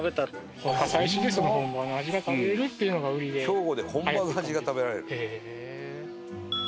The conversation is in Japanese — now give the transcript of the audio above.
兵庫で本場の味が食べられる？